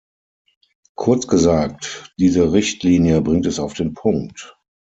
Kurz gesagt, diese Richtlinie bringt es auf den Punkt.